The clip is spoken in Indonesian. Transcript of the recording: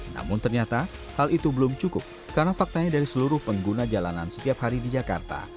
namun ternyata hal itu belum cukup karena faktanya dari seluruh pengguna jalanan setiap hari di jakarta